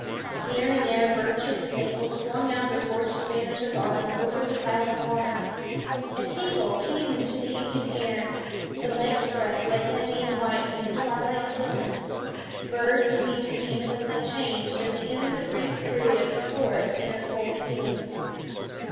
Here and there birches and maples flung out their gorgeous banners of autumn over the silent water. A tingle came into the evening air; the lake's breath lay heavy and white in the twilight stillness; birds and beasts became suddenly changed as they entered the brief period of sport and of full feeding.